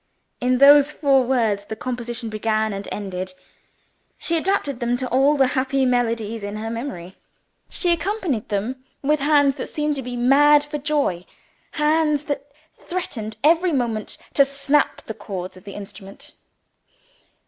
In those four words the composition began and ended. She adapted them to all the happy melodies in her memory. She accompanied them with hands that seemed to be mad for joy hands that threatened every moment to snap the chords of the instrument.